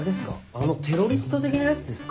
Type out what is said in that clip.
あのテロリスト的なやつですか？